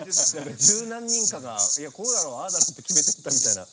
十何人かが「こうだろうああだろう」って決めてったみたいな。